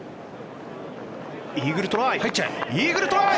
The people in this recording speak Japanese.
イーグルトライ！